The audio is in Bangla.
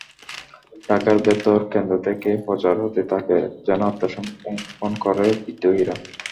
ঢাকার বেতার কেন্দ্র থেকে প্রচার হতে থাকে, যেন আত্মসমর্পণ করে বিদ্রোহীরা।